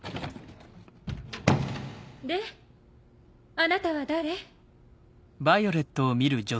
あなたは誰？